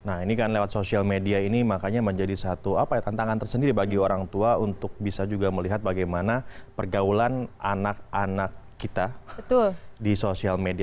nah ini kan lewat sosial media ini makanya menjadi satu tantangan tersendiri bagi orang tua untuk bisa juga melihat bagaimana pergaulan anak anak kita di sosial media